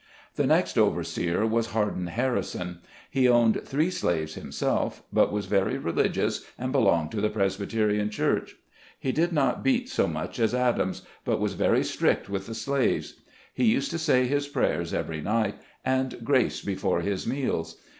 The next overseer was Harden Harrison. He owned three slaves himself; but was very religious, and belonged to the Presbyterian Church. He did not beat so much as Adams, but was very strict with the slaves. He used to say his prayers every night, and grace before his meals.